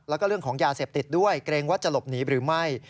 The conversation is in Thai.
แล้วก็เรื่องของยาเสพติดด้วยเกรงว่าจะหลบหนีหรือไม่